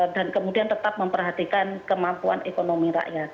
dan kemudian tetap memperhatikan kemampuan ekonomi rakyat